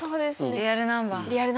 リアルナンバー大事。